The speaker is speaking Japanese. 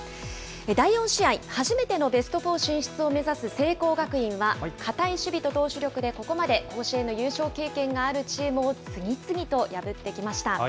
第４試合、初めてのベストフォー進出を目指す聖光学院は、堅い守備と投手力でここまで甲子園の優勝経験があるチームを次々と破ってきました。